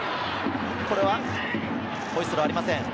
これは、ホイッスルありません。